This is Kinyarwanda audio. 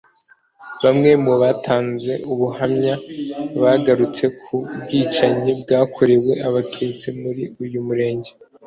Bamwe mu batanze ubuhamya bagarutse ku bwicanyi bwakorewe Abatutsi muri uyu Murenge